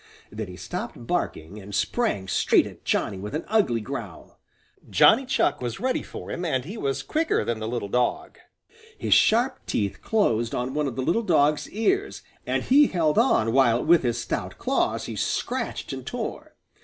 Then he stopped barking and sprang straight at Johnny with an ugly growl. Johnny Chuck was ready for him and he was quicker than the little dog. His sharp teeth closed on one of the little dog's ears, and he held on while with his stout claws he scratched and tore.